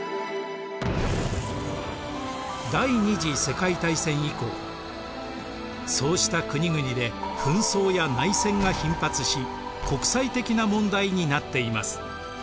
第二次世界大戦以降そうした国々で紛争や内戦が頻発し国際的な問題になっています。